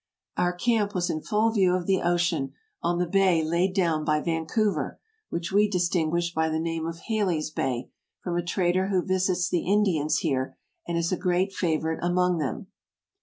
Our camp was in full view of the ocean, on the bay laid down by Vancouver, which we dis tinguished by the name of Haley's Bay, from a trader who visits the Indians here, and is a great favorite among them.